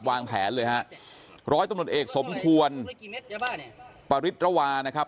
วางแผนเลยฮะร้อยตำรวจเอกสมควรปริศรวานะครับ